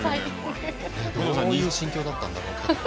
戸田さんどういう心境だったんだろう。